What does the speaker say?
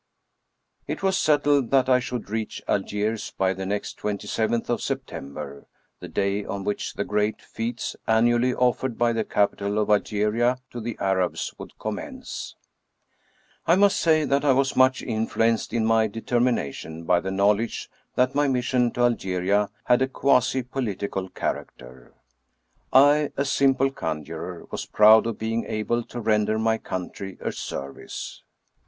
It was settled that I should reach Algiers by the next 27th of September, the day on which the great fetes an 222 M. Robert'Houdin^ nually offered by the capital of Algeria to the Arabs would commence. I must say that I was much influenced in my determi nation by the knowledge thil: my mission to Algeria had a quasi political character. T, a simple conjurer, was proud of being able to render my country a service.